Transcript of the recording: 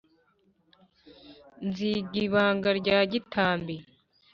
Nzinga ibanga rya Gitambi